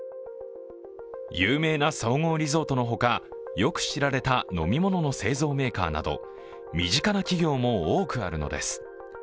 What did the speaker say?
有名な総合リゾートの他、よく知られた飲み物の製造メーカーなど身近な企業も多くあるのです。